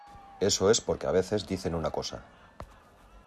eso es porque a veces dicen una cosa